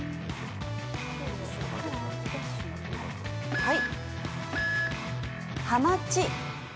はい。